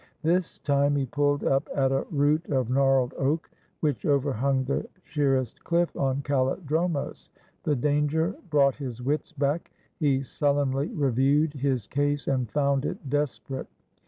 This time he pulled up at a root of gnarled oak, which overhung the sheerest cliff on Kalli dromos. The danger brought his wits back. He sul lenly reviewed his case and found it desperate.